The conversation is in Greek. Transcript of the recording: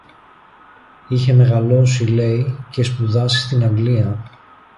Είχε μεγαλώσει, λέει, και σπουδάσει στην Αγγλία